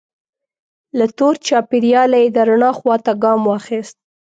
له تور چاپیریاله یې د رڼا خوا ته ګام واخیست.